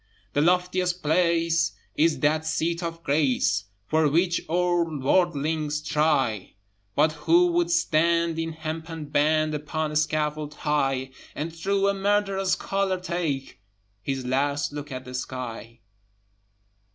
The loftiest place is that seat of grace For which all worldlings try: But who would stand in hempen band Upon a scaffold high, And through a murderer's collar take His last look at the sky?